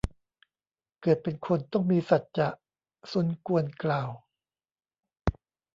เกิดเป็นคน ต้องมีสัจจะ ซุนกวนกล่าว